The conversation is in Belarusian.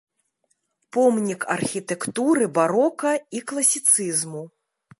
Помнік архітэктуры барока і класіцызму.